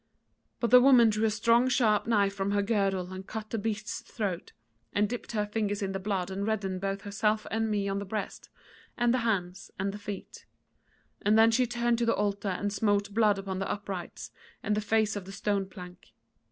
"But the woman drew a strong sharp knife from her girdle and cut the beast's throat, and dipped her fingers in the blood and reddened both herself and me on the breast, and the hands, and the feet; and then she turned to the altar and smote blood upon the uprights, and the face of the stone plank.